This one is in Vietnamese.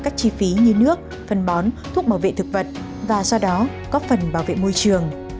các chi phí như nước phân bón thuốc bảo vệ thực vật và do đó góp phần bảo vệ môi trường